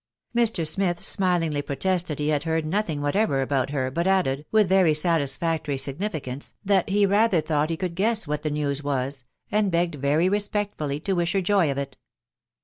Mr. Smith smilingly protested he had heard nothing what ever about her, but added, with very satisfactory significance, that he rather thought he could guess what the news was, and begged very respectfully to wish her joy of it.